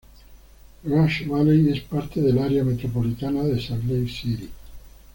Rush Valley es parte del área metropolitana de Salt Lake City.